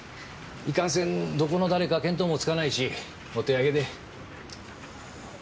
いかんせんどこの誰か見当もつかないしお手上げで。